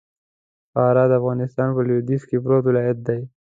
فراه د افغانستان په لوېديځ کي پروت ولايت دئ.